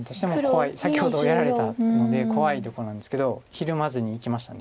先ほどやられたので怖いとこなんですけどひるまずにいきました。